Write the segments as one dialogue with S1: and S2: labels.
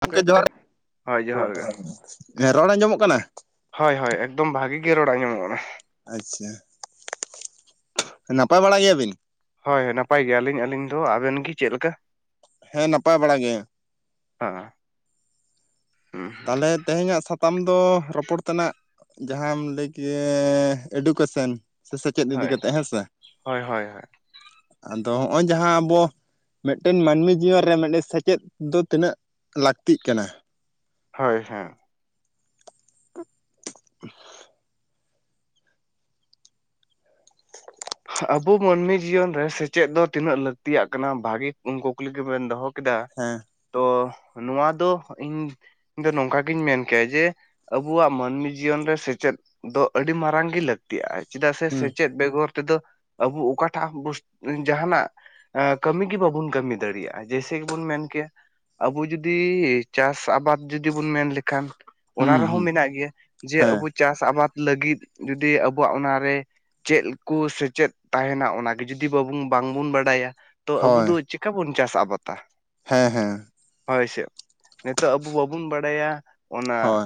S1: ᱜᱚᱢᱠᱮ
S2: ᱜᱚᱝᱠᱮ
S1: ᱡᱚᱦᱟᱨ
S2: ᱦᱳᱭ ᱡᱚᱦᱟᱨ ᱜᱮ
S1: ᱨᱚᱲ ᱟᱸᱡᱚᱢᱚᱜ ᱠᱟᱱᱟ
S2: ᱦᱳᱭ ᱦᱳᱭ ᱮᱠᱫᱚᱢ ᱵᱷᱟᱜᱮ ᱜᱮ ᱨᱚᱲ ᱟᱸᱢᱚᱜ ᱠᱟᱱᱟ
S1: ᱟᱪᱪᱷᱟ ᱱᱟᱯᱟᱭ ᱵᱟᱲᱟ ᱜᱮᱭᱟᱵᱤᱱ
S2: ᱦᱳᱭ ᱱᱟᱯᱟᱭ ᱜᱮᱭᱟᱞᱤᱧ ᱟᱹᱞᱤᱧ ᱫᱚ ᱟᱵᱮᱱ ᱜᱤ ᱪᱮᱫ ᱞᱮᱠᱟ
S1: ᱦᱮᱸ ᱱᱟᱯᱟᱭ ᱵᱟᱲᱟ ᱜᱮ
S2: ᱦᱮᱸ ᱦᱚᱸ
S1: ᱛᱟᱦᱚᱞᱮ ᱛᱮᱦᱮᱧᱟᱜ ᱥᱟᱛᱟᱢ ᱫᱚ ᱨᱚᱯᱚᱲ ᱛᱮᱱᱟᱜ ᱡᱟᱦᱟᱸᱢ ᱞᱟᱹᱭ ᱠᱮ ᱮᱰᱩᱠᱮᱥᱚᱱ ᱥᱮ ᱥᱮᱪᱮᱫ ᱤᱫᱤ
S2: ᱦᱳᱭ
S1: ᱠᱟᱛᱮᱜ ᱦᱮᱸᱥᱮ
S2: ᱦᱳᱭ ᱦᱳᱭ
S1: ᱟᱫᱚ ᱦᱚᱸᱜᱼᱚᱭ ᱡᱟᱦᱟᱸ ᱟᱵᱚ ᱢᱤᱫᱴᱮᱱ ᱢᱟᱹᱱᱢᱤ ᱡᱤᱭᱚᱱ ᱨᱮ ᱢᱤᱫᱴᱮᱱ ᱥᱮᱪᱮᱫ ᱫᱚ ᱛᱤᱱᱟᱹᱜ ᱞᱟᱹᱠᱛᱤᱜ ᱠᱟᱱᱟ
S2: ᱦᱳᱭ ᱦᱮᱸ
S1: [unintelligible]
S2: ᱟᱵᱚ ᱢᱟᱹᱱᱢᱤ ᱡᱤᱭᱚᱱ ᱨᱮ ᱥᱮᱪᱮᱫ ᱫᱚ ᱛᱤᱱᱟᱹᱜ ᱞᱟᱹᱠᱛᱤᱭᱟᱜ ᱠᱟᱱᱟ ᱵᱷᱟᱜᱤ ᱠᱩᱠᱞᱤ ᱜᱮᱵᱮᱱ ᱫᱚᱦᱚ ᱠᱮᱫᱟ
S1: ᱦᱮᱸ
S2: ᱛᱚ ᱱᱚᱣᱟ ᱫᱚ ᱤᱧ ᱤᱧ ᱫᱚ ᱱᱚᱝᱠᱟ ᱜᱤᱧ ᱢᱮᱱ ᱠᱮᱭᱟ ᱡᱮ ᱟᱵᱚᱣᱟᱜ ᱢᱟᱹᱱᱢᱤ ᱡᱤᱭᱚᱱ ᱨᱮ ᱥᱮᱪᱮᱫ ᱫᱚ ᱟᱹᱰᱤ ᱢᱟᱨᱟᱝ ᱜᱮ ᱞᱟᱹᱼ ᱠᱛᱤᱜᱼᱟ ᱪᱮᱫᱟᱜ ᱥᱮ
S1: ᱦᱩᱸ
S2: ᱥᱮᱪᱮᱫ ᱵᱮᱜᱚᱨ ᱛᱮᱫᱚ ᱟᱵᱚ ᱟᱠᱚ ᱚᱠᱟᱴᱟᱜ ᱵ [unintelligible] ᱡᱟᱦᱟᱱᱟᱜ ᱠᱟᱹᱢᱤ ᱜᱮ ᱵᱟᱵᱚᱱ ᱠᱟᱹᱢᱤ ᱫᱟᱲᱮᱭᱟᱜᱼᱟ ᱡᱮᱭᱥᱮ ᱜᱮᱵᱚᱱ ᱢᱮᱱ ᱠᱮᱭᱟ ᱟᱵᱚ ᱡᱩᱫᱤ ᱪᱟᱥ ᱟᱵᱟᱫᱽ ᱡᱩᱫᱤ ᱵᱚᱱ ᱢᱮᱱ ᱞᱮᱠᱷᱟᱱ ᱚᱱᱟ
S1: ᱦᱩᱸ
S2: ᱨᱮᱦᱚᱸ
S1: ᱦᱩᱸ
S2: ᱢᱮᱱᱟᱜ ᱜᱮᱭᱟ ᱡᱮ
S1: ᱦᱮᱸ
S2: ᱟᱵᱚ ᱪᱟᱥ ᱟᱵᱟᱫ ᱞᱟᱹᱜᱤᱫ ᱡᱩᱫᱤ ᱟᱵᱚᱣᱟᱜ ᱚᱱᱟᱨᱮ ᱪᱮᱫ ᱠᱚ ᱥᱮᱪᱮᱫ ᱛᱟᱦᱮᱸᱱᱟ ᱚᱱᱟᱜᱮ ᱡᱩᱫᱤ ᱵᱟᱵᱚᱱ ᱵᱟᱝᱵᱚᱱ ᱵᱟᱰᱟᱭᱟ ᱛᱚ ᱟᱵᱚ
S1: ᱦᱳᱭ
S2: ᱫᱚ ᱪᱤᱠᱟ ᱵᱚᱱ ᱪᱟᱥ ᱟᱵᱟᱛᱟ
S1: ᱦᱮᱸ ᱦᱮᱸ
S2: ᱦᱚᱭᱥᱮᱜ ᱱᱤᱛᱚᱜ ᱟᱵᱚ ᱵᱟᱵᱚᱱ ᱵᱟᱲᱟᱭᱟ ᱚᱱᱟ
S1: ᱦᱳᱭ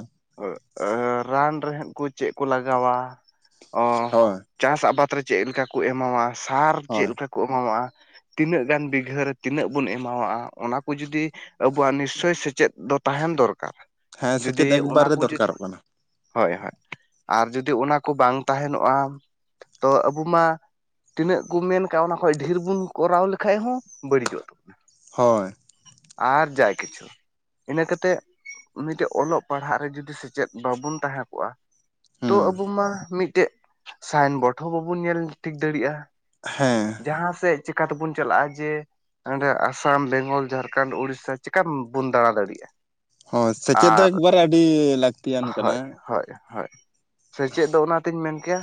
S2: ᱨᱟᱱ ᱨᱮᱦ ᱠᱩ ᱪᱮᱫᱠᱩ ᱞᱟᱜᱟᱣᱟ ᱚ
S1: ᱦᱳᱭ
S2: ᱪᱟᱥ ᱟᱵᱟᱫ ᱨᱮ ᱪᱮᱫ ᱞᱮᱠᱟ ᱠᱚ ᱮᱢᱟᱣᱟ ᱥᱟᱨ ᱪᱮᱫ
S1: ᱦᱳᱭ
S2: ᱞᱮᱠᱟ ᱠᱚ ᱮᱢᱟᱢᱣᱟᱼᱟ ᱛᱤᱱᱟᱹᱜ ᱜᱟᱱ ᱵᱤᱜᱷᱟᱹᱨ ᱨᱮ ᱛᱤᱱᱟᱹᱜ ᱵᱚᱱ ᱮᱢᱟᱣᱟᱜᱼᱟ ᱚᱱᱟ ᱠᱚ ᱡᱩᱫᱤ ᱟᱵᱚᱣᱟᱜ ᱱᱤᱥᱪᱳᱚᱭ ᱥᱮᱪᱮᱫ ᱫᱚ ᱛᱟᱦᱮᱱ ᱫᱚᱨᱠᱟᱨ
S1: ᱦᱮᱸ
S2: ᱡᱚᱫᱤ
S1: ᱥᱮᱪᱮᱫ
S2: ᱚᱱᱟ
S1: ᱮᱠᱵᱟᱨᱮ
S2: ᱠᱚ ᱡᱚᱫᱤ
S1: ᱫᱚᱨᱠᱟᱨᱚᱜ ᱠᱟᱱᱟ
S2: ᱦᱚᱭ ᱦᱚᱭ ᱟᱨ ᱡᱩᱫᱤ ᱚᱱᱟ ᱠᱚ ᱵᱟᱝ ᱛᱟᱦᱮᱱᱚᱜᱼᱟ ᱛᱚ ᱟᱵᱚ ᱢᱟ ᱛᱤᱱᱟᱹᱜ ᱠᱚ ᱢᱮᱱ ᱠᱟᱜᱼᱟ ᱚᱱᱟ ᱠᱷᱚᱡ ᱰᱷᱮᱨ ᱵᱚᱱ ᱠᱚᱨᱟᱣ ᱞᱮᱠᱷᱟᱡ ᱦᱚᱸ ᱵᱟᱹᱲᱤᱡᱚᱜ ᱛᱟᱵᱚᱱᱟ
S1: ᱦᱳᱭ
S2: ᱟᱨ ᱡᱟᱭ ᱠᱤᱪᱷᱩ ᱤᱱᱟᱹ ᱠᱟᱛᱮ ᱩᱱᱤᱴᱮᱡ ᱚᱞᱚᱜ ᱯᱟᱲᱦᱟᱜ ᱨᱮ ᱡᱩᱫᱤ ᱥᱮᱪᱮᱫ ᱵᱟᱵᱚᱱ ᱛᱟᱦᱮᱸ ᱠᱚᱜᱼᱟ ᱛᱚ
S1: ᱦᱩᱸ
S2: ᱟᱵᱚ ᱢᱟ ᱢᱤᱫᱴᱮᱡ ᱥᱟᱭᱤᱱ ᱵᱳᱨᱰ ᱦᱚᱸ ᱵᱟᱵᱚᱱ ᱧᱮᱞ ᱴᱷᱤᱠ ᱫᱟᱲᱮᱭᱟᱜᱼᱟ
S1: ᱦᱮᱸ
S2: ᱡᱟᱦᱟᱸ ᱥᱮᱫ ᱪᱤᱠᱟ ᱛᱮᱵᱚᱱ ᱪᱟᱞᱟᱜᱼᱟ ᱡᱮ ᱚᱸᱰᱮ ᱟᱥᱟᱢ ᱵᱮᱝᱜᱚᱞ ᱡᱷᱟᱨᱠᱷᱟᱱᱰ ᱩᱲᱤᱥᱥᱟ ᱪᱮᱠᱟᱢ ᱵᱚᱱ ᱫᱟᱬᱟ ᱫᱟᱲᱮᱭᱟᱜᱼᱟ
S1: ᱦᱳᱭ ᱥᱮᱪᱮᱫ ᱫᱚ
S2: ᱟᱨ
S1: ᱮᱠᱵᱟᱨᱮ ᱟᱹᱰᱤ ᱞᱟᱹᱠᱛᱤᱭᱟᱱ ᱠᱟᱱᱟ
S2: ᱦᱚᱭ ᱦᱚᱭ ᱦᱚᱭ ᱥᱮᱪᱮᱫ ᱫᱚ ᱚᱱᱟᱛᱤᱧ ᱢᱮᱱ ᱠᱮᱭᱟ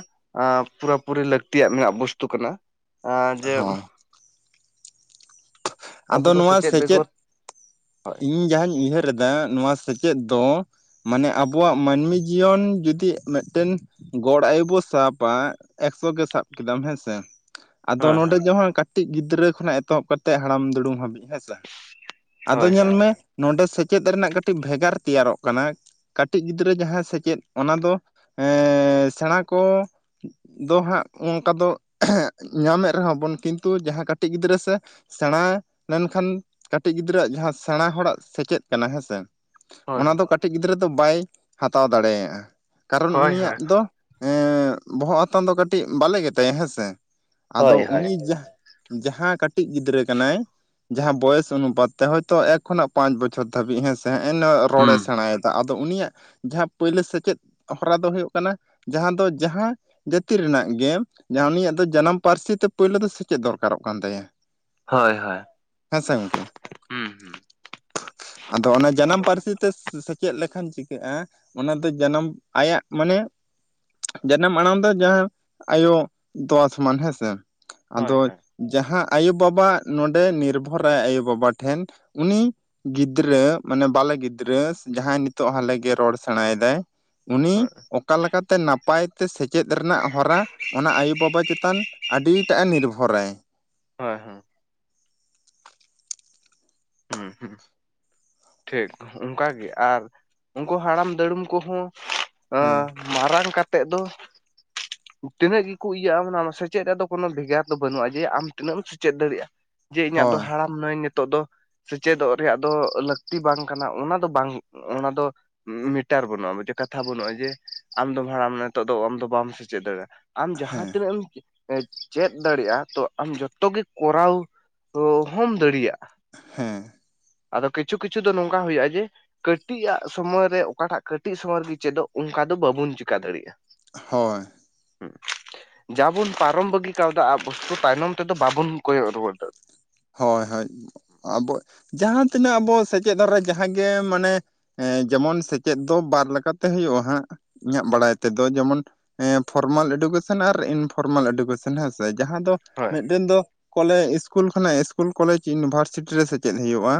S2: ᱯᱩᱨᱟᱹ ᱯᱩᱨᱤ ᱞᱟᱹᱠᱛᱤᱭᱟᱜ ᱢᱮᱱᱟᱜ ᱵᱚᱥᱛᱩ ᱠᱟᱱᱟ। ᱟᱨ ᱡᱮ
S1: ᱦᱳᱭ
S2: ᱟᱵᱚ
S1: ᱟᱫᱚ
S2: ᱫᱚ
S1: ᱱᱚᱣᱟ ᱥᱮᱪᱮᱫ
S2: ᱵᱮᱜᱚᱨ
S1: ᱼᱼ
S2: ᱦᱳᱭ
S1: ᱤᱧ ᱡᱟᱦᱟᱧ ᱩᱭᱦᱟᱹᱨ ᱮᱫᱟ ᱱᱚᱣᱟ ᱥᱮᱪᱮᱫ ᱫᱚ ᱼᱼ ᱢᱟᱱᱮ ᱟᱵᱚᱣᱟᱜ ᱢᱟᱹᱱᱢᱤ ᱡᱤᱭᱚᱱ ᱡᱩᱫᱤ ᱢᱤᱫᱴᱮᱱ ᱼᱼ ᱜᱚᱲ ᱟᱭᱩ ᱵᱚ ᱥᱟᱵᱟ ᱮᱠᱥᱚ ᱜᱮ ᱥᱟᱵ ᱠᱮᱫᱟᱢ ᱦᱮᱸᱥᱮ। ᱟᱫᱚ
S2: ᱦᱮᱸ
S1: ᱱᱚᱰᱮ
S2: ᱦᱮᱸ
S1: ᱡᱮ ᱦᱚᱸᱭ [unintelligible] ᱠᱟᱹᱴᱤᱡ ᱜᱤᱫᱽᱨᱟᱹ ᱠᱷᱚᱱᱟᱜ ᱮᱛᱚᱦᱚᱵ ᱠᱟᱛᱮᱫ ᱦᱟᱲᱟᱢ ᱫᱩᱲᱩᱢ ᱦᱟᱹᱵᱤᱡ ᱦᱮᱸ ᱥᱮ। ᱟᱫᱚ
S2: ᱦᱳᱭ
S1: ᱧᱮᱞ
S2: ᱦᱳᱭ
S1: ᱢᱮ ᱱᱚᱰᱮ ᱥᱮᱪᱮᱫ ᱨᱮᱱᱟᱜ ᱠᱟᱹᱴᱤᱡ ᱵᱷᱮᱜᱟᱨ ᱛᱮᱭᱟᱨᱚᱜ ᱠᱟᱱᱟ। ᱠᱟᱹᱴᱤᱡ ᱜᱤᱫᱽᱨᱟᱹ ᱡᱟᱦᱟᱸ ᱥᱮᱪᱮᱫ, ᱚᱱᱟ ᱫᱚ ᱮᱸᱻ ᱥᱮᱬᱟ ᱠᱚ ᱼᱼ ᱫᱚ ᱦᱟᱸᱜ ᱚᱱᱠᱟ ᱫᱚ ᱼᱼ ᱧᱟᱢᱮᱫ ᱨᱮᱦᱚᱸ ᱵᱚᱱ, ᱠᱤᱱᱛᱩ ᱡᱟᱦᱟᱸ ᱠᱟᱹᱴᱤᱡ ᱜᱤᱫᱽᱨᱟᱹ ᱥᱮ ᱼᱼ ᱥᱮᱬᱟ ᱞᱮᱱᱠᱷᱟᱱ ᱠᱟᱹᱴᱤᱡ ᱜᱤᱫᱽᱨᱟᱹᱣᱟᱜ ᱡᱟᱦᱟᱸ ᱥᱮᱬᱟ ᱦᱚᱲᱟᱜ ᱥᱮᱪᱮᱫ ᱠᱟᱱᱟ ᱦᱮᱸ ᱥᱮ ᱼᱼ
S2: ᱦᱳᱭ
S1: ᱚᱱᱟ ᱫᱚ ᱠᱟᱹᱴᱤᱡ ᱜᱤᱫᱽᱨᱟᱹ ᱫᱚ ᱵᱟᱭ ᱦᱟᱛᱟᱣ ᱫᱟᱲᱮᱭᱟᱜᱼᱟ। ᱠᱟᱨᱚᱱ
S2: ᱦᱳᱭ ᱦᱳᱭ
S1: ᱩᱱᱤᱭᱟᱜ ᱫᱚ ᱼᱼ ᱮᱸᱻ ᱵᱚᱦᱚᱜ ᱦᱟᱛᱟᱝ ᱫᱚ ᱠᱟᱹᱴᱤᱡ ᱵᱟᱞᱮ ᱜᱮᱛᱟᱭᱟ ᱦᱮᱸᱥᱮ᱾
S2: ᱦᱳᱭ
S1: ᱟᱫᱚ
S2: ᱦᱳᱭ
S1: ᱩᱱᱤ ᱡᱟᱦᱟᱸ ᱼᱼ ᱡᱟᱦᱟᱸ ᱠᱟᱹᱴᱤᱡ ᱜᱤ ᱜᱤᱫᱽᱨᱟᱹ ᱠᱟᱱᱟᱭ ᱡᱟᱦᱟᱸ ᱵᱚᱭᱮᱥ ᱚᱱᱩᱯᱟᱛ ᱛᱮ ᱦᱚᱭᱛᱚ ᱮᱠ ᱠᱷᱚᱱᱟᱜ ᱯᱟᱸᱪ ᱵᱚᱪᱷᱚᱨ ᱫᱷᱟᱵᱤᱡ ᱦᱮᱸ ᱥᱮ [unintelligible] [unintelligible] ᱨᱚᱲᱮ
S2: ᱦᱩᱸ
S1: ᱥᱮᱬᱟᱭᱮᱫᱟ ᱟᱫᱚ ᱩᱱᱤᱭᱟᱜ ᱡᱟᱦᱟᱸ ᱯᱳᱭᱞᱳ ᱥᱮᱪᱮᱫ ᱦᱚᱨᱟ ᱫᱚ ᱦᱩᱭᱩᱜ ᱠᱟᱱᱟ ᱼᱼ ᱡᱟᱦᱟᱸ ᱫᱚ ᱡᱟᱦᱟᱸ ᱡᱟᱹᱛᱤ ᱨᱮᱱᱟᱜ ᱜᱮ ᱡᱟᱦᱟᱸ ᱩᱱᱤᱭᱟᱜ ᱫᱚ ᱡᱟᱱᱟᱢ ᱯᱟᱹᱨᱥᱤ ᱛᱮ ᱯᱳᱭᱞᱳ ᱫᱚ ᱥᱮᱪᱮᱫ ᱫᱚᱨᱠᱟᱨᱚᱜ ᱠᱟᱱ ᱛᱟᱭᱟ।
S2: ᱦᱚᱭ ᱦᱚᱭ
S1: ᱦᱮᱸ ᱥᱮ ᱜᱚᱝᱠᱮ᱾ ᱟᱫᱚ ᱚᱱᱟ ᱡᱟᱱᱟᱢ
S2: ᱟᱫᱚ ᱚᱱᱟ
S1: ᱯᱟᱹᱨᱥᱤ ᱛᱮ ᱥᱮᱪᱮᱫ ᱞᱮᱠᱷᱟᱱ ᱪᱤᱠᱟᱹᱜᱼᱟ? ᱚᱱᱟ ᱫᱚ ᱡᱟᱱᱟᱢ ᱟᱭᱟᱜ ᱢᱟᱱᱮ ᱼᱻ ᱡᱟᱱᱟᱢ ᱟᱲᱟᱝ ᱫᱚ ᱡᱟᱦᱟᱸ ᱟᱭᱳ ᱛᱚᱣᱟ ᱥᱚᱢᱟᱱ ᱦᱮᱸᱥᱮ।
S2: ᱦᱳᱭ
S1: ᱟᱫᱚ
S2: ᱦᱳᱭ
S1: ᱡᱟᱦᱟᱸ ᱟᱭᱳᱵᱟᱵᱟ ᱱᱚᱰᱮ ᱱᱤᱨᱵᱷᱚᱨᱟᱭ ᱟᱭᱳᱼᱵᱟᱵᱟ ᱴᱷᱮᱱ ᱩᱱᱤ ᱼᱼ ᱜᱤᱫᱽᱨᱟᱹ ᱢᱟᱱᱮ ᱵᱟᱞᱮ ᱜᱤᱫᱽᱨᱟᱹ ᱡᱟᱦᱟᱸᱭ ᱱᱤᱛᱚᱜ ᱦᱟᱞᱮᱜᱮ ᱨᱚᱲ ᱥᱮᱬᱟᱭᱮᱫᱟᱭ ᱼᱼ ᱩᱱᱤ
S2: ᱦᱳᱭ
S1: ᱚᱠᱟ ᱞᱮᱠᱟᱛᱮ ᱱᱟᱯᱟᱭ ᱛᱮ ᱥᱮᱪᱮᱫ ᱨᱮᱱᱟᱜ ᱦᱚᱨᱟ ᱼᱼ ᱚᱱᱟ ᱟᱭᱳᱼᱵᱟᱵᱟ ᱪᱮᱛᱟᱱ ᱟᱹᱰᱤᱴᱟᱜ ᱮ ᱱᱤᱨᱵᱷᱚᱨᱟᱭ।
S2: ᱦᱳᱭ ᱦᱳᱸ ᱦᱮᱸ ᱦᱮᱸ ᱴᱷᱤᱠ ᱚᱱᱠᱟᱜᱮ ᱟᱨ ᱩᱱᱠᱩ ᱦᱟᱲᱟᱢ ᱫᱩᱲᱩᱢ ᱠᱚᱦᱚᱸ ᱼᱼ
S1: ᱦᱮᱸ
S2: ᱢᱟᱨᱟᱝ ᱠᱟᱛᱮᱫ ᱫᱚ ᱼᱼ ᱛᱤᱱᱟᱹᱜ ᱜᱮᱠᱚ ᱤᱭᱟᱹᱜᱼᱟ ᱢᱟᱱᱮ ᱚᱱᱟ ᱥᱮᱪᱮᱫ ᱨᱮᱭᱟᱜ ᱫᱚ ᱠᱳᱱᱳ ᱵᱷᱮᱜᱟᱨ ᱫᱚ ᱵᱟᱹᱱᱩᱜᱼᱟ ᱡᱮ ᱟᱢ ᱛᱤᱱᱟᱹᱜ ᱮᱢ ᱥᱮᱪᱮᱫ ᱫᱟᱲᱮᱭᱟᱜᱼᱟ। ᱡᱮ ᱤᱧᱟᱹᱜ ᱫᱚ
S1: ᱦᱳᱭ
S2: ᱦᱟᱲᱟᱢ ᱱᱟᱹᱭᱧ ᱱᱤᱛᱚᱜ ᱫᱚ ᱼᱼ ᱥᱮᱪᱮᱫᱚᱜ ᱨᱮᱭᱟᱜ ᱫᱚ ᱞᱟᱹᱠᱛᱤ ᱵᱟᱝ ᱠᱟᱱᱟ ᱚᱱᱟ ᱫᱚ ᱵᱟᱝ, ᱚᱱᱟ ᱫᱚ ᱼᱼ ᱢᱤᱴᱟᱨ ᱵᱟᱹᱱᱩᱜᱼᱟ ᱡᱮ ᱠᱟᱛᱷᱟ ᱵᱟᱹᱱᱩᱜᱼᱟ ᱡᱮ ᱟᱢ ᱫᱚᱢ ᱦᱟᱲᱟᱢ ᱱᱟ ᱱᱤᱛᱚᱜ ᱫᱚ ᱟᱢ ᱫᱚ ᱵᱟᱢ ᱥᱮᱪᱮᱫ ᱫᱟᱲᱮᱭᱟᱜᱼᱟ। ᱟᱢ ᱡᱟᱦᱟᱸ
S1: ᱦᱮᱸ
S2: ᱛᱤᱱᱟᱹᱜ ᱮᱢ ᱼᱼ ᱪᱮᱫ ᱫᱟᱲᱮᱭᱟᱜᱼᱟ ᱛᱚ ᱟᱢ ᱡᱚᱛᱚ ᱜᱮ ᱠᱚᱨᱟᱣ ᱦᱚᱢ ᱫᱟᱲᱮᱭᱟᱜᱼᱟ।
S1: ᱦᱮᱸ
S2: ᱟᱫᱚ ᱠᱤᱪᱷᱩ ᱠᱤᱪᱷᱩ ᱫᱚ ᱱᱚᱝᱠᱟ ᱦᱩᱭᱩᱜᱼᱟ ᱡᱮ ᱼᱼ ᱠᱟᱹᱴᱤᱡ ᱟᱜ ᱥᱚᱢᱚᱭ ᱨᱮ ᱚᱠᱟᱴᱟᱜ ᱠᱟᱹᱴᱤᱡ ᱥᱚᱢᱚᱭ ᱨᱮᱜᱮ ᱪᱮᱫᱚᱜ ᱚᱱᱠᱟ ᱫᱚ ᱵᱟᱵᱚᱱ ᱪᱮᱠᱟ ᱫᱟᱲᱮᱭᱟᱜᱼᱟ।
S1: ᱦᱳᱭ
S2: ᱡᱟᱦᱟᱵᱚᱱ ᱯᱟᱨᱚᱢ ᱵᱟᱹᱜᱤ ᱠᱟᱣᱫᱟ ᱟ [unintelligible] ᱛᱟᱭᱱᱚᱢ ᱛᱮᱫᱚ ᱵᱟᱵᱚᱱ ᱠᱚᱭᱚᱜ ᱨᱩᱣᱟᱹᱲ ᱫᱟᱲᱼ
S1: ᱦᱳᱭ ᱦᱳᱭ ᱟᱵᱚ ᱡᱟᱦᱟᱸ ᱛᱤᱱᱟᱹᱜ ᱟᱵᱚ ᱥᱮᱪᱮᱫ ᱫᱷᱟᱨᱟ ᱡᱟᱦᱟᱸᱜᱮ ᱢᱟᱱᱮ ᱼᱼ ᱮᱸ ᱡᱮᱢᱚᱱ ᱥᱮᱪᱮᱫ ᱫᱚ ᱵᱟᱨ ᱞᱮᱠᱟᱛᱮ ᱦᱩᱭᱩᱜᱼᱟ ᱦᱟᱸᱜ। ᱤᱧᱟᱹᱜ ᱵᱟᱲᱟᱭ ᱛᱮᱫᱚ ᱡᱮᱢᱚᱱ ᱮᱸ ᱯᱷᱚᱨᱢᱟᱞ ᱮᱰᱩᱠᱮᱥᱚᱱ ᱟᱨ ᱤᱱᱯᱷᱚᱨᱢᱟᱞ ᱮᱰᱩᱠᱮᱥᱚᱱ। ᱦᱮᱸ ᱥᱮ ᱡᱟᱦᱟᱸ ᱫᱚ
S2: ᱦᱳᱭ
S1: ᱢᱤᱫᱴᱮᱱ ᱫᱚ ᱠᱚᱞᱮ ᱤᱥᱠᱩᱞ ᱠᱷᱚᱱᱟᱜ ᱤᱥᱠᱩᱞ ᱠᱚᱞᱮᱡᱽ ᱤᱭᱩᱱᱤᱵᱷᱟᱨᱥᱤᱴᱤ ᱨᱮ ᱥᱮᱪᱮᱫ ᱦᱩᱭᱩᱜᱼᱟ᱾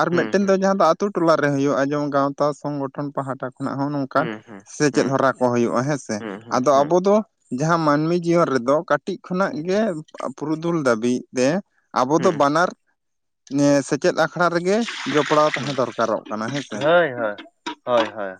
S1: ᱟᱨ
S2: ᱦᱩᱸ
S1: ᱢᱤᱫᱴᱮᱱ
S2: ᱦᱩᱸ
S1: ᱫᱚ ᱡᱟᱦᱟᱸ ᱫᱚ ᱟᱛᱩ ᱼᱼ ᱴᱚᱞᱟ ᱨᱮ ᱦᱩᱭᱩᱜᱼᱟ᱾ ᱡᱮᱢᱚᱱ ᱜᱟᱶᱛᱟ ᱥᱚᱝᱜᱚᱴᱷᱚᱱ ᱯᱟᱦᱴᱟ ᱠᱷᱚᱱᱟᱜ ᱦᱚᱸ ᱱᱚᱝᱠᱟᱱ
S2: ᱦᱩᱸ ᱦᱩᱸ
S1: ᱪᱮᱫ ᱦᱚᱨᱟ ᱠᱚ ᱦᱩᱭᱩᱜᱼᱟ ᱦᱮᱸ ᱥᱮ,
S2: ᱦᱩᱸ ᱦᱩᱸ
S1: ᱟᱫᱚ
S2: ᱦᱩᱸ
S1: ᱟᱵᱚ ᱫᱚ ᱡᱟᱦᱟᱸ ᱢᱟᱹᱱᱢᱤ ᱡᱤᱭᱚᱱ ᱨᱮᱫᱚ ᱠᱟᱹᱴᱤᱡ ᱠᱟᱹᱴᱤᱡ ᱠᱷᱚᱱᱟᱜ
S2: ᱦᱩᱸ
S1: ᱜᱮ ᱯᱩᱨᱩᱫᱩᱞ ᱫᱷᱟᱹᱵᱤᱡ ᱛᱮ ᱟᱵᱚ ᱫᱚ
S2: ᱦᱩᱸ
S1: ᱵᱟᱱᱟᱨ ᱥᱮᱪᱮᱫ ᱟᱠᱷᱲᱟ ᱨᱮᱜᱮ ᱡᱚᱯᱲᱟᱣ
S2: ᱦᱩᱸ
S1: ᱛᱟᱦᱮᱸ ᱫᱚᱨᱠᱟᱨᱚᱜ᱾ ᱠᱟᱱᱟ ᱦᱮᱸᱥᱮ
S2: ᱦᱳᱭ ᱦᱳᱭ ᱦᱳᱭ ᱦᱭᱳᱭ᱾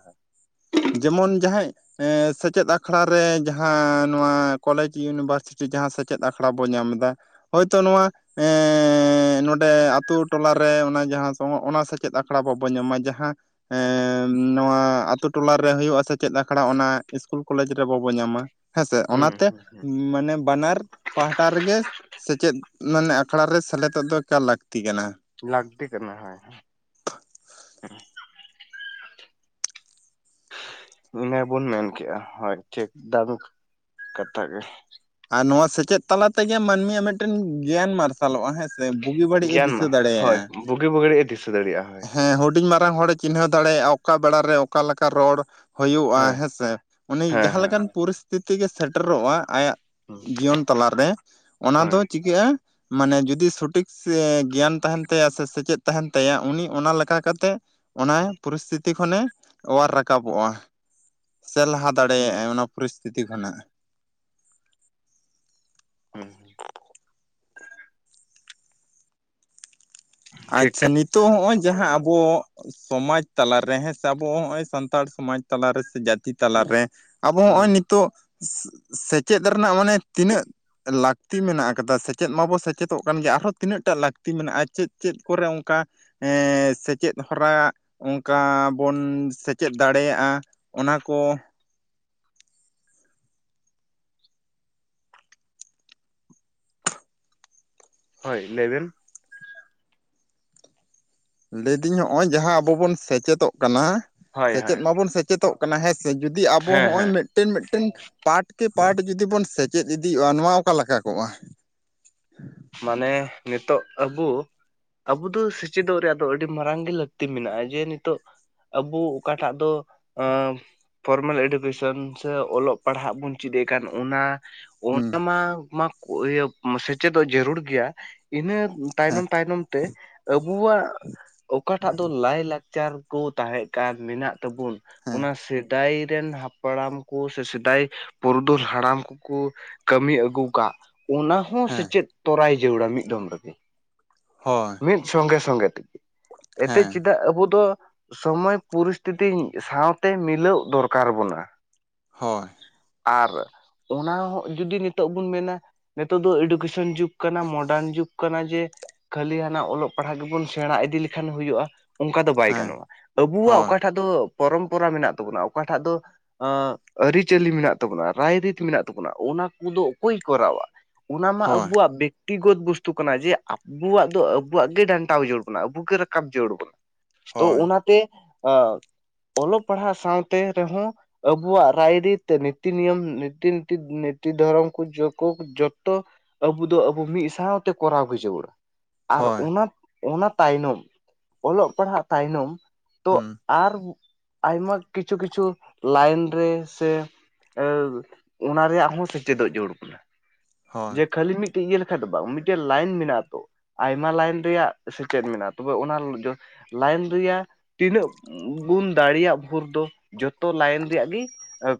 S1: ᱡᱮᱢᱚᱱ ᱡᱟᱦᱟᱸᱭ ᱮ ᱥᱮᱪᱮᱫ ᱟᱠᱷᱲᱟ ᱨᱮ ᱡᱟᱦᱟᱸ ᱱᱚᱣᱟ ᱠᱚᱞᱮᱡᱽ ᱤᱭᱩᱱᱤᱵᱷᱟᱨᱥᱤᱴᱤ ᱡᱟᱦᱟᱸ ᱥᱮᱪᱮᱫ ᱟᱠᱷᱲᱟ ᱵᱚᱱ ᱧᱟᱢ ᱮᱫᱟ᱾ ᱦᱳᱭᱛᱳ ᱱᱚᱣᱟ ᱮ, ᱦᱮᱸ ᱱᱚᱰᱮ ᱟᱛᱳ ᱴᱚᱞᱟᱨᱮ ᱚᱱᱟ ᱡᱟᱦᱟᱸ ᱥᱳᱧᱚ ᱚᱱᱟ ᱥᱮᱪᱮᱫ ᱟᱠᱷᱲᱟ ᱵᱟᱵᱚᱱ ᱧᱟᱢᱟ ᱡᱟᱦᱟᱸ ᱱᱚᱣᱟ ᱟᱹᱛᱩ ᱴᱚᱞᱟ ᱨᱮ ᱦᱩᱭᱩᱜᱼᱟ, ᱥᱮᱪᱮᱫ ᱟᱠᱷᱲᱟ ᱚᱱᱟ ᱤᱥᱠᱩᱞ ᱠᱚᱞᱮᱡᱽ ᱨᱮ ᱵᱟᱵᱚ ᱧᱟᱸᱢᱟ᱾ ᱦᱮᱸᱥᱮ
S2: ᱦᱩᱸ
S1: ᱚᱱᱟᱛᱮ
S2: ᱦᱩᱸ ᱦᱩᱸ
S1: ᱢᱟᱱᱮ ᱵᱟᱱᱟᱨ ᱯᱟᱦᱴᱟ ᱨᱮᱜᱮ ᱥᱮᱪᱮᱫ, ᱢᱟᱱᱮ ᱟᱠᱷᱲᱟ ᱨᱮ ᱥᱮᱞᱮᱫᱚᱜ ᱫᱚ ᱮᱠᱟᱞ ᱞᱟᱹᱠᱛᱤ ᱠᱟᱱᱟ᱾
S2: ᱞᱟᱹᱜᱛᱤ ᱠᱟᱱᱟ ᱦᱮᱸ᱾ ᱤᱱᱟᱹ ᱵᱚᱱ ᱢᱮᱱ ᱠᱮᱜᱼᱟ, ᱦᱳᱭ ᱴᱷᱤᱠ ᱴᱟ ᱫᱚ ᱠᱟᱛᱷᱟ ᱜᱮ
S1: ᱟᱨ ᱱᱚᱣᱟ ᱥᱮᱪᱮᱫ ᱛᱟᱞᱟ ᱛᱮᱜᱮ ᱢᱟᱹᱱᱢᱤᱭᱟᱜ ᱢᱤᱫᱴᱮᱱ ᱜᱮᱭᱟᱱ ᱢᱟᱨᱥᱟᱞᱚᱜᱼᱟ ᱦᱮᱸᱥᱮ᱾ ᱵᱩᱜᱤ ᱵᱟᱹᱲᱤᱡ ᱤᱧ
S2: ᱜᱮᱭᱟᱱ
S1: ᱫᱤᱥᱟᱹ
S2: ᱢᱟ ᱦᱳᱭ
S1: ᱫᱟᱲᱮᱭᱟᱜᱼᱟ᱾
S2: ᱵᱩᱜᱤ ᱵᱟᱹᱲᱤᱡ ᱮ ᱫᱤᱥᱟᱹ ᱫᱟᱲᱮᱭᱟᱜᱼᱟ ᱦᱳᱭ
S1: ᱦᱮᱸ ᱦᱩᱰᱤᱧ ᱢᱟᱨᱟᱝ ᱦᱚᱲᱮ ᱪᱤᱱᱦᱟᱹᱣ ᱫᱟᱲᱮᱭᱟᱜᱼᱟ᱾ ᱚᱠᱟ ᱵᱮᱲᱟᱨᱮ ᱚᱠᱟ ᱞᱮᱠᱟ ᱨᱚᱲ ᱦᱩᱭᱩᱜᱼᱟ
S2: ᱦᱳᱭ
S1: ᱦᱮᱸᱥᱮ ᱩᱱᱤ
S2: ᱦᱮᱸ
S1: ᱡᱟᱦᱟᱸ
S2: ᱦᱮᱸ
S1: ᱞᱮᱠᱟᱱ ᱯᱚᱨᱤᱥᱛᱷᱤᱛᱤ ᱜᱮ ᱥᱮᱴᱮᱨᱚᱜᱼᱟ ᱟᱭᱟᱜ, ᱡᱤᱭᱚᱱ ᱛᱟᱞᱟ ᱨᱮ ᱚᱱᱟ ᱫᱚ
S2: ᱦᱳᱭ
S1: ᱪᱤᱠᱟᱹᱜᱼᱟ ᱢᱟᱱᱮ ᱡᱩᱫᱤ ᱥᱚᱴᱷᱤᱠ ᱜᱮᱭᱟᱱ ᱛᱟᱦᱮᱱ ᱛᱟᱭᱟ ᱥᱮ ᱥᱮᱪᱮᱫ ᱛᱟᱦᱮᱱ ᱛᱟᱭᱟ, ᱩᱱᱤ ᱚᱱᱟ ᱞᱮᱠᱟ ᱠᱟᱛᱮᱜ ᱚᱱᱟ ᱯᱚᱨᱤᱥᱛᱷᱤᱛᱤ ᱠᱷᱚᱱᱮ ᱚᱣᱟᱨ ᱨᱟᱠᱟᱵᱚᱜᱼᱟ ᱥᱮ ᱞᱟᱦᱟ ᱫᱟᱲᱮᱭᱟᱜᱟᱭ᱾ ᱚᱱᱟ ᱯᱚᱨᱤᱥᱛᱷᱤᱛᱤ ᱠᱷᱚᱱᱟᱜ
S2: [inaudible]
S1: ᱟᱪᱪᱷᱟ
S2: ᱴᱷᱤᱠ
S1: ᱱᱤᱛᱚᱜ ᱦᱚᱸᱜᱼᱚᱭ ᱡᱟᱦᱟᱸ ᱟᱵᱚ, ᱥᱚᱢᱟᱡᱽ ᱛᱟᱞᱟᱨᱮ ᱦᱮᱸ ᱥᱮ, ᱟᱵᱚ ᱦᱚᱸᱜᱼᱚᱭ ᱥᱟᱱᱛᱟᱲ ᱥᱚᱢᱟᱡᱽ ᱛᱟᱞᱟ ᱨᱮ ᱥᱮ ᱡᱟᱹᱛᱤ ᱛᱟᱞᱟ ᱨᱮ ᱟᱵᱚ ᱦᱚᱸᱜᱼᱚᱭ ᱱᱤᱛᱚᱜ ᱥᱮᱪᱮᱫ ᱨᱮᱱᱟᱜ ᱢᱟᱱᱮ ᱛᱤᱱᱟᱹᱜ ᱞᱟᱹᱠᱛᱤ ᱢᱮᱱᱟᱜ ᱟᱠᱟᱫᱟ ᱥᱮᱪᱮᱫ ᱢᱟᱵᱚᱱ ᱥᱮᱪᱮᱫᱚᱜ ᱠᱟᱱ ᱜᱮᱭᱟ ᱟᱨᱦᱚᱸ ᱛᱤᱱᱟᱹᱜ ᱴᱟᱜ ᱞᱟᱹᱠᱛᱤ ᱢᱮᱱᱟᱜᱼᱟ, ᱪᱮᱫ ᱪᱮᱫ ᱠᱚᱨᱮ ᱚᱱᱠᱟ ᱮᱦᱸ ᱥᱮᱪᱮᱫ ᱦᱚᱨᱟ ᱚᱱᱠᱟ ᱵᱚᱱ ᱥᱮᱪᱮᱫ ᱫᱟᱲᱮᱭᱟᱜᱼᱟ᱾ ᱚᱱᱟ ᱠᱚ
S2: ᱦᱳᱭ ᱞᱮᱭᱵᱮᱱ?
S1: ᱞᱟᱹᱭᱫᱤᱧ ᱱᱚᱜᱼᱚᱭ ᱡᱟᱦᱟᱸ ᱟᱵᱚ ᱵᱚᱱ ᱥᱮᱪᱮᱫᱚᱜ ᱠᱟᱱᱟ,
S2: ᱦᱳᱭ
S1: ᱥᱮᱪᱮᱫ
S2: ᱦᱳᱭ
S1: ᱢᱟᱵᱚᱱ ᱥᱮᱪᱮᱫᱚᱜ ᱠᱟᱱᱟ ᱦᱮᱸ ᱥᱮ ᱡᱩᱫᱤ ᱟᱵᱚ
S2: ᱦᱮᱸ
S1: ᱦᱚᱸᱜᱼᱚᱭ
S2: ᱦᱮᱸ
S1: ᱢᱤᱫ ᱢᱤᱫᱴᱮᱱ ᱢᱤᱫᱴᱮᱱ ᱯᱟᱴ ᱠᱮ ᱯᱟᱴ ᱡᱩᱫᱤ ᱵᱚᱱ ᱥᱮᱪᱮᱫ ᱤᱫᱤᱜᱼᱟ, ᱱᱚᱣᱟ ᱚᱠᱟ ᱞᱮᱠᱟ ᱠᱚᱜᱼᱟ?
S2: ᱢᱟᱱᱮ ᱱᱤᱛᱚᱜ ᱟᱵᱩ, ᱟᱵᱚ ᱫᱚ ᱥᱮᱪᱮᱫᱚᱜ ᱨᱮᱭᱟᱜ ᱫᱚ ᱟᱹᱰᱤ ᱢᱟᱨᱟᱝ ᱜᱮ ᱞᱟᱹᱠᱛᱤ ᱢᱮᱱᱟᱜᱼᱟ ᱡᱮ ᱱᱤᱛᱚᱜ ᱟᱵᱩ ᱚᱠᱟᱴᱟᱜ ᱫᱚ ᱯᱷᱚᱨᱢᱟᱞ ᱮᱰᱩᱠᱮᱥᱚᱱ ᱥᱮ ᱚᱞᱚᱜ ᱯᱟᱲᱦᱟᱜ ᱵᱚᱱ ᱪᱮᱫ ᱮ ᱠᱟᱱ, ᱚᱱᱟ
S1: ᱦᱩᱸ
S2: ᱚᱱᱟ ᱢᱟ ᱢᱟ ᱤᱭᱟᱹ ᱥᱮᱪᱮᱫᱚ ᱡᱟᱹᱨᱩᱲ ᱜᱮᱭᱟ, ᱤᱱᱟᱹ
S1: ᱦᱮᱸ
S2: ᱛᱟᱭᱱᱚᱢ ᱛᱟᱭᱱᱚᱢ ᱛᱮ ᱟᱵᱚᱣᱟ ᱚᱠᱟᱴᱟᱜ ᱫᱚ ᱞᱟᱭ ᱞᱟᱠᱪᱟᱨ ᱞᱟᱠᱪᱟᱨ ᱠᱚ ᱛᱟᱦᱮᱸ ᱠᱟᱱ, ᱢᱮᱱᱟᱜ ᱛᱟᱵᱚᱱ
S1: ᱦᱮᱸ
S2: ᱚᱱᱟ ᱥᱮᱫᱟᱭ ᱨᱮᱱ ᱦᱟᱯᱲᱟᱢ ᱥᱮ ᱥᱮᱫᱟᱭ ᱯᱩᱨᱩᱫᱷᱩᱞ ᱦᱟᱲᱟᱢ ᱠᱚᱠᱚ ᱠᱟᱹᱢᱤ ᱟᱹᱜᱩ ᱠᱟᱫ, ᱚᱱᱟ ᱦᱚᱸ
S1: ᱦᱮᱸ
S2: ᱥᱮᱪᱮᱫ ᱛᱚᱨᱟᱭ ᱡᱟᱹᱲᱟ ᱢᱤᱫ ᱫᱚᱢ ᱨᱮᱜᱮ᱾
S1: ᱦᱳᱭ᱾
S2: ᱢᱤᱫ ᱥᱚᱝᱜᱮ ᱥᱚᱸᱜᱮ ᱛᱮ, ᱮᱛᱮᱜ
S1: ᱦᱮᱸ
S2: ᱪᱮᱫᱟᱜ ᱟᱵᱚ ᱫᱚ ᱥᱚᱢᱚᱭ ᱯᱚᱨᱤᱥᱛᱷᱤᱛᱤ ᱥᱟᱶᱛᱮ ᱢᱤᱞᱟᱹᱣᱚᱜ ᱫᱚᱨᱠᱟᱨ ᱟᱵᱚᱱᱟ᱾
S1: ᱦᱳᱭ,
S2: ᱟᱨ ᱚᱱᱟ ᱦᱚᱸ ᱡᱩᱫᱤ ᱱᱤᱛᱳᱜ ᱵᱚᱱ ᱢᱮᱱᱟ ᱱᱤᱛᱚᱜ ᱫᱚ ᱮᱰᱩᱠᱮᱥᱚᱱ ᱡᱩᱜᱽ ᱠᱟᱱᱟ, ᱢᱚᱰᱟᱨᱱ ᱡᱩᱜᱽ ᱠᱟᱱᱟ, ᱡᱮ ᱠᱷᱟᱹᱞᱤ ᱦᱟᱱᱟ ᱚᱞᱚᱜ ᱯᱟᱲᱦᱟᱜ ᱜᱮᱵᱚᱱ ᱥᱮᱬᱟ ᱤᱫᱤ ᱞᱮᱠᱷᱟᱱ ᱦᱩᱭᱩᱜᱼᱟ, ᱚᱱᱠᱟ ᱫᱚ ᱵᱟᱭ
S1: ᱦᱮᱸ
S2: ᱜᱟᱱᱚᱜᱼᱟ ᱟᱵᱚᱣᱟᱜ
S1: ᱦᱳᱭ
S2: ᱚᱠᱟᱴᱟᱜ ᱫᱚ ᱯᱚᱨᱚᱢᱯᱚᱨᱟ ᱢᱮᱱᱟᱜ ᱛᱟᱵᱚᱱᱟ ᱚᱠᱟᱴᱷᱟᱜ ᱫᱚ ᱟᱻ ᱟᱹᱨᱤᱪᱟᱹᱞᱤ ᱢᱮᱱᱟᱜ ᱛᱟᱵᱚᱱᱟ ᱨᱟᱭᱨᱤᱛ ᱢᱮᱱᱟᱜ ᱛᱟᱵᱚᱱᱟ ᱚᱱᱟ ᱠᱚᱫᱚ ᱚᱠᱚᱭ ᱠᱚᱨᱟᱣᱟ ᱚᱱᱟ ᱢᱟ
S1: ᱦᱳᱭ
S2: ᱟᱵᱚᱣᱟᱜ ᱵᱮᱠᱛᱤᱜᱚᱛ ᱵᱚᱥᱛᱩ ᱠᱟᱱᱟ ᱡᱮ ᱟᱵ ᱟᱵᱩᱣᱟᱜ ᱫᱚ ᱟᱵᱚᱣᱟᱜ ᱜᱮ ᱰᱟᱱᱴᱟᱣ ᱡᱟᱹᱨᱩᱲ ᱵᱚᱱᱟ ᱟᱵᱩ ᱜᱮ ᱨᱟᱠᱟᱵ ᱡᱟᱹᱨᱩᱲ ᱵᱚᱱᱟ ᱛᱚ
S1: ᱦᱳᱭ
S2: ᱚᱱᱟ ᱛᱮ ᱟᱸ ᱚᱞᱚᱜ ᱯᱟᱲᱦᱟᱜ ᱥᱟᱶᱛᱮ ᱨᱮᱦᱚᱸ ᱟᱵᱩᱣᱟᱜ ᱨᱟᱭᱨᱤᱛ ᱱᱤᱛᱤ ᱱᱤᱭᱚᱢ ᱱᱤᱛᱤ ᱱᱤᱛᱤ ᱱᱤᱛᱤ ᱫᱷᱚᱨᱚᱢ ᱠᱚ ᱡᱚᱠᱳ ᱡᱚᱛᱚ ᱟᱵᱩ ᱫᱚ ᱟᱵᱚ ᱢᱤᱫ ᱥᱟᱶᱛᱮ ᱠᱚᱨᱟᱣ ᱵᱩᱡᱷᱟᱹᱣ ᱵᱚᱱᱟ ᱟᱨ
S1: ᱦᱳᱭ
S2: ᱚᱱᱟ ᱚᱱᱟ ᱛᱟᱭᱱᱚᱢ ᱚᱞᱚᱜ ᱯᱟᱲᱦᱟᱜ ᱛᱟᱭᱱᱚᱢ ᱛᱚ
S1: ᱦᱩᱸ
S2: ᱟᱨ ᱟᱭᱢᱟ ᱠᱤᱪᱷᱩ ᱠᱤᱪᱷᱩ ᱞᱟᱭᱮᱱ ᱨᱮ ᱥᱮ ᱮᱸ ᱚᱱᱟ ᱨᱮᱭᱟᱜ ᱦᱚᱸ ᱥᱮᱪᱮᱫᱚᱜ ᱡᱟᱹᱨᱩᱲ ᱠᱟᱱᱟ
S1: ᱦᱳᱭ
S2: ᱡᱮ ᱠᱷᱟᱹᱞᱤ ᱢᱤᱫᱴᱮᱡᱽ ᱤᱭᱟᱹ ᱞᱮᱠᱷᱟᱡᱽ ᱫᱚ ᱵᱟᱝ ᱢᱤᱫᱴᱮᱡᱽ ᱞᱟᱭᱮᱱ ᱢᱮᱱᱟᱜᱽ ᱟᱛᱚ ᱟᱭᱢᱟ ᱞᱟᱭᱮᱱ ᱨᱮᱭᱟᱜ ᱥᱮᱪᱮᱫ ᱢᱮᱱᱟᱜᱼᱟ ᱛᱚᱵᱮ ᱚᱱᱟ ᱞᱟᱭᱮᱱ ᱨᱮᱭᱟᱜ ᱛᱤᱱᱟᱹᱜ ᱵᱩᱱ ᱫᱟᱲᱮᱭᱟᱜᱽ ᱵᱷᱳᱨ ᱫᱚ ᱡᱚᱛᱚ ᱞᱟᱭᱤᱱ ᱨᱮᱭᱟᱜ ᱜᱮ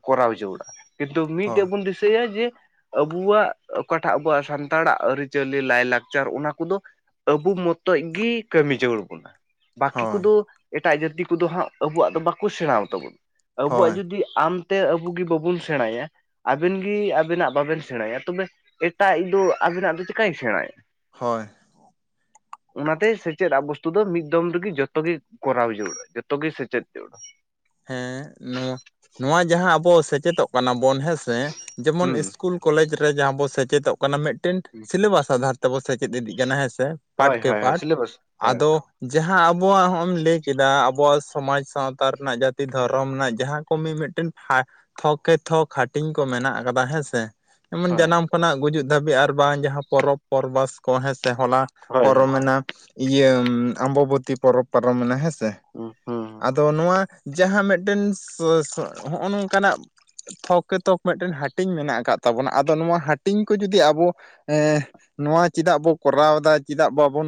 S2: ᱠᱚᱨᱟᱣ ᱪᱳ ᱵᱚᱱᱟ ᱠᱤᱱᱛᱩ
S1: ᱦᱳᱭ
S2: ᱢᱤᱫᱴᱮᱡᱽ ᱵᱚᱱ ᱫᱤᱥᱟᱹᱭᱟ ᱡᱮ ᱟᱵᱩᱣᱟᱜ ᱚᱠᱟᱴᱟᱜ ᱟᱵᱚᱣᱟᱜ ᱥᱟᱱᱛᱟᱲᱟᱜ ᱟᱹᱨᱤᱪᱟᱹᱞᱤ ᱞᱟᱭᱼᱞᱟᱠᱪᱟᱨ ᱚᱱᱟ ᱠᱩᱫᱚ ᱟᱵᱩ ᱢᱚᱛᱚᱡᱽ ᱜᱮ ᱠᱟᱹᱢᱤ ᱡᱟᱹᱨᱩᱲ ᱵᱚᱱᱟ ᱵᱟᱹᱠᱤ
S1: ᱦᱳᱭ
S2: ᱠᱩᱫᱚ ᱮᱴᱟᱜ ᱡᱟᱹᱛᱤ ᱠᱩᱫᱚ ᱦᱟᱸᱜ ᱟᱵᱚᱣᱟᱜ ᱫᱚ ᱵᱟᱠᱩ ᱥᱮᱬᱟ ᱟᱛᱟᱵᱚᱱ ᱟᱵᱚᱣᱟᱜ
S1: ᱦᱳᱭ
S2: ᱡᱩᱫᱤ ᱟᱢᱛᱮ ᱟᱵᱩ ᱜᱮ ᱵᱟᱵᱩᱱ ᱥᱮᱬᱟᱭᱟ ᱟᱵᱮᱱ ᱜᱮ ᱟᱵᱤᱱᱟᱜ ᱵᱟᱵᱮᱱ ᱥᱮᱬᱟᱭᱟ ᱛᱚᱵᱮ ᱮᱴᱟᱜ ᱤᱡ ᱫᱚ ᱟᱵᱤᱱᱟᱜ ᱫᱚ ᱪᱤᱠᱟᱹᱭ ᱥᱮᱬᱟᱭᱟ
S1: ᱦᱳᱭ
S2: ᱚᱱᱟᱛᱮ ᱥᱮᱪᱮᱫ ᱟᱵᱚᱥᱛᱩ ᱫᱚ ᱢᱤᱫ ᱫᱚᱢ ᱨᱮᱜᱮ ᱡᱚᱛᱚ ᱜᱮ ᱠᱚᱨᱟᱣ ᱡᱟᱹᱨᱩᱲᱟ ᱡᱚᱛᱚ ᱜᱮ ᱥᱮᱪᱮᱫ ᱡᱟᱹᱨᱩᱲᱟ
S1: ᱦᱮᱸ ᱱᱚᱣᱟ ᱱᱚᱣᱟ ᱡᱟᱦᱟᱸ ᱟᱵᱚ ᱥᱮᱪᱮᱫᱚᱜ ᱠᱟᱱᱟ ᱵᱚᱱ ᱦᱮᱸᱥᱮ ᱡᱮᱢᱚᱱ
S2: ᱦᱩᱸ
S1: ᱤᱥᱠᱩᱞ ᱠᱚᱞᱮᱡᱽ ᱨᱮ ᱡᱟᱦᱟᱸ ᱵᱚ ᱥᱮᱪᱮᱫᱚᱜ ᱚᱱᱟ ᱢᱤᱫᱴᱮᱱ ᱥᱤᱞᱮᱵᱟᱥ ᱟᱫᱷᱟᱨ ᱛᱮᱵᱚᱱ ᱥᱮᱪᱮᱫ ᱤᱫᱤᱜᱽ ᱠᱟᱱᱟ ᱦᱮᱸ ᱥᱮ ᱯᱟᱴ
S2: ᱦᱳᱭ
S1: ᱠᱮ
S2: ᱦᱳᱭ ᱦᱳᱭ
S1: ᱯᱟᱴ
S2: ᱥᱤᱞᱮᱵᱟᱥ ᱦᱳᱭ
S1: ᱟᱫᱚ ᱡᱟᱦᱟᱸ ᱟᱵᱚᱣᱟᱜ ᱦᱚᱸᱜ ᱮᱢ ᱞᱟᱹᱭ ᱠᱮᱫᱟ ᱟᱵᱚᱣᱟᱜ ᱥᱚᱢᱟᱡᱽ ᱥᱟᱶᱛᱟ ᱨᱮᱱᱟᱜ ᱡᱟᱼᱼ ᱛᱤ ᱫᱷᱚᱨᱚᱢ ᱨᱮᱱᱟᱜ ᱡᱟᱦᱟᱸ ᱠᱚ ᱢᱤᱼᱢᱤᱫ ᱴᱮᱱ ᱛᱷᱟ ᱛᱷᱚᱠᱮ ᱛᱷᱚᱠ ᱦᱟᱹᱴᱤᱧ ᱠᱚ ᱢᱮᱱᱟᱜᱽ ᱟᱠᱟᱫᱟ ᱦᱮᱸ ᱥᱮ ᱮᱢᱚᱱ
S2: ᱦᱳᱭ
S1: ᱡᱟᱱᱟᱢ ᱠᱷᱚᱱᱟᱜᱽ ᱜᱩᱡᱩᱜᱽ ᱫᱷᱟᱹᱵᱤᱡ ᱟᱨ ᱵᱟᱝ ᱡᱟᱦᱟᱸ ᱯᱚᱨᱚᱵᱽ ᱯᱚᱨᱵᱟᱥ ᱠᱚ ᱦᱮᱸ ᱥᱮ ᱦᱚᱞᱟ
S2: ᱦᱳᱭ
S1: ᱯᱚᱨᱚᱢᱮᱱᱟ ᱤᱭᱟᱹ ᱟᱢᱵᱚᱵᱚᱛᱤ ᱯᱚᱨᱚᱵᱽ ᱯᱟᱨᱚᱢᱮᱱᱟ ᱦᱮᱸᱥᱮ ᱛᱮ
S2: ᱦᱩᱸ ᱦᱩᱸ
S1: ᱟᱫᱚ ᱱᱚᱣᱟ ᱡᱟᱦᱟᱸ ᱢᱤᱫᱴᱮᱱ [unintelligible] ᱦᱚᱸᱜᱼᱚ ᱱᱚᱝᱠᱟᱱᱟᱜ ᱛᱷᱚᱠᱮ ᱛᱷᱚᱠ ᱢᱤᱫᱴᱮᱱ ᱦᱟᱹᱴᱤᱧ ᱢᱮᱱᱟᱜ ᱟᱠᱟᱫ ᱛᱟᱵᱚᱱᱟ ᱟᱫᱚ ᱱᱚᱣᱟ ᱦᱟᱹᱴᱤᱧ ᱠᱚ ᱡᱩᱫᱤ ᱟᱵᱚ ᱮᱸ ᱱᱚᱣᱟ ᱪᱮᱫᱟᱜᱽ ᱵᱚ ᱠᱚᱨᱟᱣ ᱫᱟ ᱪᱮᱫᱟᱜ ᱵᱟᱵᱚᱱ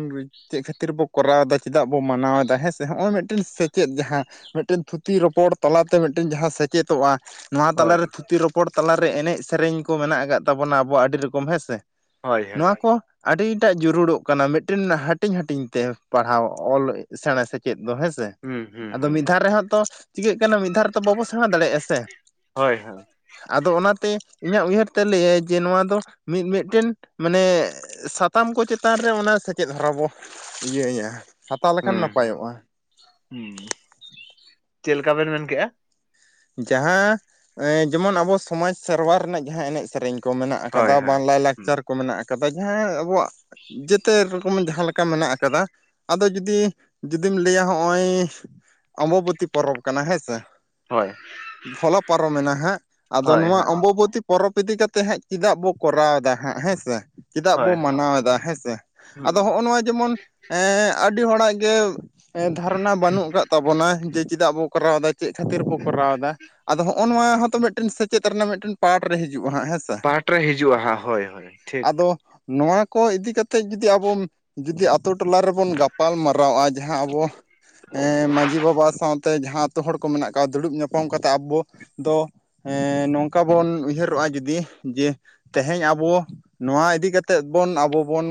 S1: ᱪᱮᱫ ᱠᱷᱟᱹᱛᱤᱨ ᱵᱚ ᱠᱚᱨᱟᱣ ᱮᱫᱟ ᱪᱮᱫᱟᱜ ᱵᱚ ᱢᱟᱱᱟᱣ ᱮᱫᱟ ᱦᱮᱸ ᱥᱮ ᱦᱚᱸᱜᱼᱚᱭ ᱢᱤᱫᱴᱮᱱ ᱥᱮᱪᱮᱫ ᱡᱟᱦᱟᱸ ᱢᱤᱫᱴᱮᱱ ᱛᱷᱩᱛᱤ ᱨᱚᱯᱚᱲ ᱛᱟᱞᱟᱛᱮ ᱢᱤᱫᱴᱮᱱ ᱡᱟᱦᱟᱸ ᱥᱮᱪᱮᱛᱚᱜᱼᱟ ᱱᱚᱣᱟ
S2: ᱦᱳᱭ
S1: ᱛᱟᱞᱟᱨᱮ ᱛᱷᱩᱛᱤ ᱨᱚᱯᱼ ᱨᱚᱯᱚᱲ ᱛᱟᱞᱟᱨᱮ ᱮᱱᱮᱡᱽ ᱥᱮᱨᱮᱧ ᱠᱚ ᱢᱮᱱᱟᱜᱽ ᱟᱠᱟᱫ ᱛᱟᱵᱚᱱᱟ ᱟᱵᱚᱭᱟᱜ ᱟᱹᱰᱤ ᱨᱚᱠᱚᱢ ᱦᱮᱸ ᱥᱮ
S2: ᱦᱳᱭ
S1: ᱾ ᱱᱚᱣᱟ
S2: ᱦᱳᱭ
S1: ᱠᱚ ᱟᱹᱰᱤᱴᱟᱜ ᱡᱟᱹᱨᱩᱲᱚᱜ ᱠᱟᱱᱟ ᱢᱤᱫᱴᱮᱱ ᱦᱟᱹᱴᱤᱧ ᱦᱟᱹᱴᱤᱧ ᱛᱮ ᱯᱟᱲᱦᱟᱣ ᱚᱞ ᱥᱮᱬᱟ ᱥᱮ ᱪᱮᱫ ᱫᱚ ᱦᱮᱸᱥᱮ
S2: ᱦᱩᱸ ᱦᱩᱸ
S1: ᱟᱫᱚ
S2: ᱦᱩᱸ
S1: ᱢᱤᱫ ᱫᱷᱟᱣ ᱨᱮᱦᱚᱸ ᱛᱚ ᱪᱤᱠᱟᱹᱜ ᱠᱟᱱᱟ ᱢᱤᱫ ᱫᱷᱟ ᱛᱚ ᱵᱟᱵᱚ ᱥᱮᱬᱟ ᱫᱟᱲᱮᱭᱟᱜᱼᱟ ᱥᱮ
S2: ᱦᱳᱭ ᱦᱳᱭ
S1: ᱟᱫᱚ ᱚᱱᱟᱛᱮ ᱤᱧᱟᱹᱜᱽ ᱩᱭᱦᱟᱹᱨ ᱛᱮ ᱞᱟᱹᱭᱟᱭ ᱡᱮ ᱱᱚᱣᱟ ᱫᱚ ᱢᱤᱫ ᱢᱤᱫᱴᱮᱱ ᱢᱟᱱᱮ ᱥᱟᱛᱟᱢ ᱠᱚ ᱪᱮᱛᱟᱱ ᱨᱮ ᱚᱱᱟ ᱥᱮᱪᱮᱫ ᱦᱚᱨᱟ ᱵᱚ ᱤᱭᱟᱹᱭᱟ ᱦᱟᱛᱟᱣ ᱞᱮᱠᱷᱟᱱ
S2: ᱦᱩᱸ ᱦᱩᱸ
S1: ᱱᱟᱯᱟᱭᱚᱜᱼᱟ
S2: ᱦᱩᱸ ᱪᱮᱫ ᱞᱮᱠᱟ ᱵᱮᱱ ᱢᱮᱱ ᱠᱮᱜᱼᱟ?
S1: ᱡᱟᱦᱟᱸ ᱮ ᱡᱮᱢᱚᱱ ᱟᱵᱚ ᱥᱚᱢᱟᱡ ᱥᱮᱨᱚᱣᱟ ᱨᱮᱱᱟᱜ ᱡᱟᱦᱟᱸ ᱮᱱᱮᱡ ᱥᱮᱨᱮᱧ ᱠᱚ ᱢᱮᱱᱟᱜ
S2: ᱦᱳᱭ
S1: ᱟᱠᱟᱫᱟ,
S2: ᱦᱳᱭ
S1: ᱵᱟᱝ
S2: ᱦᱩᱸ
S1: ᱞᱟᱭᱼᱞᱟᱠᱪᱟᱨ ᱠᱚ ᱢᱮᱱᱟᱜ ᱟᱠᱟᱫᱟ, ᱡᱟᱦᱟᱸ ᱟᱵᱚᱣᱟᱜ ᱡᱮᱛᱮ ᱨᱚᱠᱚᱢ ᱡᱟᱦᱟᱸ ᱞᱮᱠᱟ ᱢᱮᱱᱟᱜ ᱟᱠᱟᱫᱟ ᱟᱫᱚ ᱡᱩᱫᱤ ᱡᱩᱫᱤᱢ ᱞᱟᱹᱭᱟ ᱦᱚᱜᱼᱚᱭ ᱚᱢᱵᱚᱵᱚᱛᱤ ᱯᱚᱨᱚᱵ ᱠᱟᱱᱟ ᱦᱮᱸ ᱥᱮ
S2: ᱦᱳᱭ
S1: ᱵᱷᱚᱞᱚ ᱯᱟᱨᱚᱢᱮᱱᱟ ᱦᱟᱸᱜ ᱟᱫᱚ
S2: ᱦᱳᱭ
S1: ᱱᱚᱣᱟ
S2: ᱦᱳᱭ
S1: ᱚᱢᱵᱚᱵᱚᱛᱤ ᱯᱚᱨᱚᱵ ᱤᱫᱤ ᱠᱟᱛᱮᱜ ᱦᱟᱸᱜ ᱪᱮᱫᱟᱜ ᱵᱚ ᱠᱚᱨᱟᱣ ᱮᱫᱟ ᱦᱟᱸᱜ ᱦᱮᱸ ᱥᱮ ᱪᱮᱫᱟᱜ
S2: ᱦᱳᱭ
S1: ᱵᱚ ᱢᱟᱱᱟᱣ ᱮᱫᱟ ᱦᱮᱸ ᱥᱮ ᱾
S2: ᱦᱩᱸ
S1: ᱟᱫᱚ ᱦᱚᱸᱜᱼᱚ ᱱᱚᱣᱟ ᱡᱮᱢᱚᱱ ᱮᱻ ᱟᱹᱰᱤ ᱦᱚᱲᱟᱜ ᱜᱮ ᱮᱸ ᱫᱷᱟᱨᱚᱱᱟ ᱵᱟᱹᱱᱩᱜᱽ ᱟᱠᱟᱫ ᱛᱟᱵᱚᱱᱟ ᱡᱮ ᱪᱮᱫᱟᱜ ᱵᱚ ᱠᱚᱨᱟᱣ ᱫᱟ, ᱪᱮᱫ ᱠᱷᱟᱹᱛᱤᱨ ᱵᱚ ᱠᱚᱨᱟᱣᱫᱟ ᱟᱫᱚ ᱦᱚᱜᱼᱚ ᱱᱚᱣᱟ ᱦᱚᱛᱚ ᱢᱤᱫᱴᱮᱱ ᱥᱮᱪᱮᱫ ᱨᱮᱱᱟᱜᱮ ᱢᱤᱫᱴᱮᱱ ᱯᱟᱴ ᱨᱮ ᱦᱤᱡᱩᱜᱼᱟ ᱦᱟᱸᱜ ᱦᱮᱸ
S2: ᱯᱟᱴ ᱨᱮ ᱦᱤᱡᱩᱜᱼᱟ ᱦᱟᱸᱜ ᱦᱳᱭ ᱦᱳᱭ ᱴᱷᱤᱠ
S1: ᱟᱫᱚ ᱱᱚᱣᱟ ᱠᱚ ᱤᱫᱤ ᱠᱟᱛᱮ ᱡᱩᱫᱤ ᱟᱵᱚ ᱡᱩᱫᱤ ᱟᱛᱳ ᱴᱚᱞᱟ ᱨᱮᱵᱚᱱ ᱜᱟᱯᱟᱞ ᱢᱟᱨᱟᱣᱼᱟ ᱡᱟᱦᱟᱸ ᱟᱵᱚ ᱚᱸ ᱢᱟᱹᱡᱷᱤ ᱵᱟᱵᱟ ᱥᱟᱶᱛᱮ ᱡᱟᱦᱟᱸ ᱟᱹᱛᱩ ᱦᱚᱲ ᱠᱚ ᱢᱮᱱᱟᱜ ᱟᱠᱟᱫ ᱫᱩᱲᱩᱵ ᱧᱟᱯᱟᱢ ᱠᱟᱛᱮᱜ ᱟᱵᱚ ᱫᱚ ᱦᱮᱸ ᱱᱚᱝᱠᱟ ᱵᱚᱱ ᱩᱭᱦᱟᱹᱨᱚᱜᱼᱟ ᱡᱩᱫᱤ ᱡᱮ ᱛᱮᱦᱮᱧ ᱟᱵᱚ ᱱᱚᱣᱟ ᱤᱫᱤ ᱠᱟᱛᱮᱫ ᱵᱚᱱ ᱟᱵᱚ ᱵᱚᱱ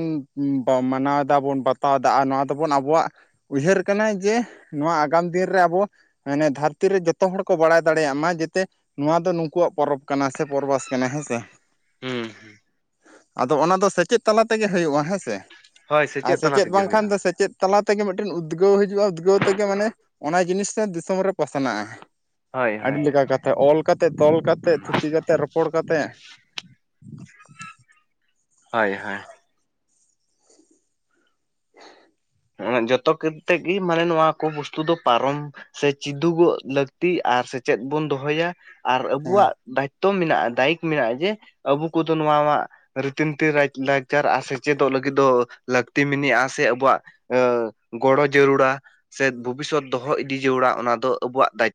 S1: ᱢᱟᱱᱟᱣ ᱫᱟᱵᱚᱱ ᱵᱟᱛᱟᱣᱫᱟ ᱟᱨ ᱱᱚᱣᱟ ᱛᱟᱵᱚᱱ ᱟᱵᱚᱣᱟᱜ ᱩᱭᱦᱟᱹᱨ ᱠᱟᱱᱟᱭ ᱡᱮ ᱱᱚᱣᱟ ᱟᱜᱟᱢ ᱫᱤᱱ ᱨᱮ ᱟᱵᱚ ᱢᱟᱱᱮ ᱫᱷᱟᱹᱨᱛᱤ ᱨᱮ ᱡᱷᱚᱛᱚ ᱦᱚᱲ ᱠᱚ ᱵᱟᱲᱟᱭ ᱫᱟᱲᱮᱭᱟᱜ ᱢᱟ ᱡᱟᱛᱮ ᱱᱚᱣᱟ ᱫᱚ ᱱᱩᱠᱩᱣᱟᱜ ᱯᱚᱨᱚᱵᱽ ᱠᱟᱱᱟ ᱥᱮ ᱯᱚᱨᱚᱵᱟᱥ ᱠᱟᱱᱟ ᱦᱮᱸ ᱥᱮ
S2: ᱦᱩᱸ ᱦᱩᱸ
S1: ᱟᱫᱚ ᱚᱱᱟ ᱫᱚ ᱥᱮᱪᱮᱫ ᱛᱟᱞᱟ ᱛᱮᱜᱮ ᱦᱩᱭᱩᱜᱼᱟ ᱦᱮᱸ ᱥᱮ
S2: ᱦᱳᱭ
S1: ᱟᱨ
S2: ᱛᱟᱞᱟ
S1: ᱥᱮᱪᱮᱫ
S2: ᱛᱮᱜᱮ
S1: ᱵᱟᱝᱠᱷᱟᱱ
S2: ᱦᱩᱭᱩᱜᱼᱟ
S1: ᱫᱚ ᱥᱮᱪᱮᱫ ᱛᱟᱞᱟ ᱛᱮᱜᱮ ᱢᱤᱫᱴᱮᱱ ᱩᱫᱽᱜᱟᱹᱣ ᱦᱤᱡᱩᱜᱼᱟ ᱩᱫᱽᱜᱟᱹᱣ ᱛᱮᱜᱮ ᱢᱟᱱᱮ ᱚᱱᱟ ᱡᱤᱱᱤᱥ ᱥᱮ ᱫᱤᱥᱚᱢ ᱨᱮ ᱯᱟᱥᱱᱟᱜᱼᱟ
S2: ᱦᱳᱭ
S1: ᱟᱹᱰᱤ
S2: ᱦᱳᱭ
S1: ᱞᱮᱠᱟ ᱠᱟᱛᱮᱜ ᱾ ᱚᱞ ᱠᱟᱛᱮᱫ,, ᱛᱚᱞ ᱠᱟᱛᱮᱫ, ᱛᱷᱩᱛᱤ ᱠᱟᱛᱮᱫ, ᱨᱚᱯᱚᱲ ᱠᱟᱛᱮᱫ
S2: ᱦᱳᱭ ᱦᱳᱭ ᱡᱚᱛᱚ ᱠᱚᱛᱮᱼᱜᱮ ᱢᱟᱱᱮ ᱱᱚᱣᱟ ᱠᱚ ᱵᱚᱥᱛᱩ ᱫᱚ ᱯᱟᱨᱚᱢ ᱥᱮ ᱪᱤᱫᱩᱜᱚᱜ ᱞᱟᱹᱠᱛᱤ ᱟᱨ ᱥᱮᱪᱮᱫ ᱵᱚᱱ ᱫᱚᱦᱚᱭᱟ ᱟᱨ
S1: ᱦᱮᱸ
S2: ᱟᱹᱵᱩᱣᱟᱜ ᱛᱚ ᱢᱮᱱᱟᱜᱼᱟ, ᱫᱟᱭᱤᱛ ᱢᱮᱱᱟᱜᱼᱟ ᱡᱮ ᱟᱵᱚ ᱠᱚᱫᱚ ᱱᱚᱣᱟᱣᱟᱜ ᱨᱤᱛᱤ ᱱᱤᱛᱤ ᱨᱟᱡᱽᱞᱟᱠᱪᱟᱨ ᱟᱨ ᱥᱮᱪᱮᱫᱚᱜ ᱞᱟᱹᱜᱤᱫ ᱫᱚ ᱞᱟᱹᱠᱛᱤ ᱢᱮᱱᱟᱜᱼᱟ ᱥᱮ ᱟᱵᱚᱣᱟᱜ ᱟᱹ ᱜᱚᱲᱚ ᱡᱟᱹᱨᱩᱲᱟ ᱥᱮ ᱵᱷᱚᱵᱤᱥᱚᱛ ᱫᱚᱦᱚ ᱤᱫᱤ ᱡᱟᱹᱨᱩᱲᱟ ᱚᱱᱟ ᱫᱚ ᱟᱵᱩᱣᱟᱜ ᱫᱟᱭᱤᱛᱛᱚ